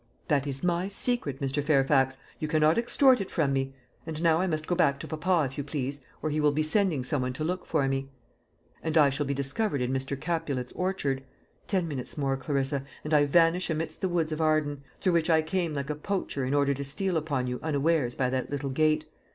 "That is my secret, Mr. Fairfax. You cannot extort it from me. And now I must go back to papa, if you please, or he will be sending some one to look for me." "And I shall be discovered in Mr. Capulet's orchard. Ten minutes more, Clarissa, and I vanish amidst the woods of Arden, through which I came like a poacher in order to steal upon you unawares by that little gate.